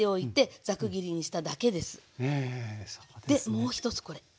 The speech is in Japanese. もう一つこれ。